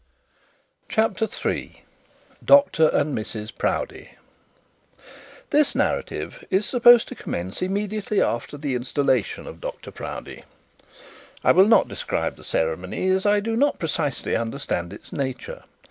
CHAPTER III DR AND MRS PROUDIE This narrative is supposed to commence immediately after the installation of Dr Proudie. I will not describe the ceremony, as I do not precisely understand its nature.